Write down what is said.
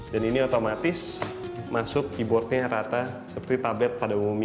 dan ini otomatis masuk keyboardnya rata seperti tablet pada umumnya